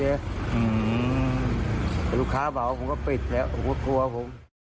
อือแต่ลูกค้าบ่าวผมก็ปิดแล้วโอ้โฮโอ้โฮโฮโฮ